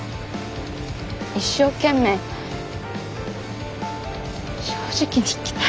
一生懸命正直に生きたい。